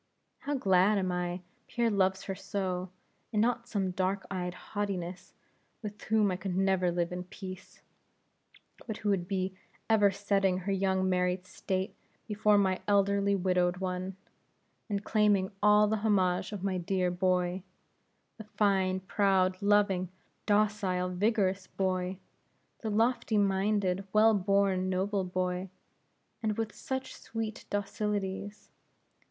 How glad am I that Pierre loves her so, and not some dark eyed haughtiness, with whom I could never live in peace; but who would be ever setting her young married state before my elderly widowed one, and claiming all the homage of my dear boy the fine, proud, loving, docile, vigorous boy! the lofty minded, well born, noble boy; and with such sweet docilities!